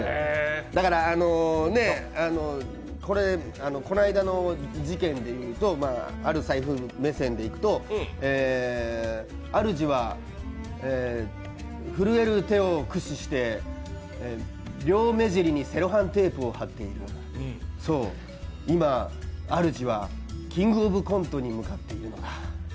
だから、この間の事件でいうとある財布目線でいくとあるじは震える手を駆使して両目尻にセロハンテープを貼っている、そう、今、あるじは「キングオブコント」に向かっているんだ。